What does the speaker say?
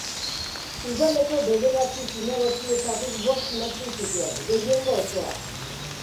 Udaleko bederatzi zinegotzietatik bost lortu zituen, gehiengo osoa.